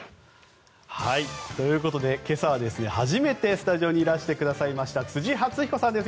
ということで今朝は初めてスタジオにいらしてくださいました辻発彦さんです。